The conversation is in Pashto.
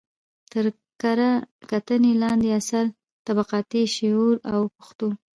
تر کره کتنې لاندې اثر: طبقاتي شعور او پښتو